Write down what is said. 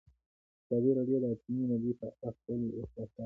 ازادي راډیو د اټومي انرژي په اړه د خلکو احساسات شریک کړي.